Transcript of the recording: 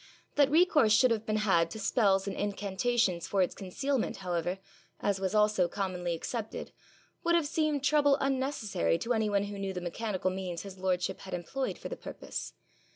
That recourse should have been had to spells and incantations for its concealment, however, as was also commonly accepted, would have seemed trouble unnecessary to any one who knew the mechanical means his lordship had employed for the purpose.